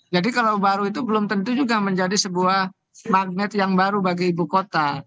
jadi kalau baru itu belum tentu juga menjadi sebuah magnet yang baru bagi ibu kota